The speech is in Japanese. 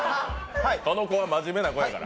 この子は真面目な子やから。